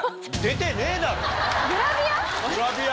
グラビア？